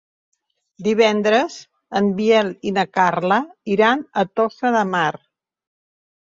Divendres en Biel i na Carla iran a Tossa de Mar.